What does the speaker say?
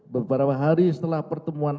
beberapa hari setelah pertemuan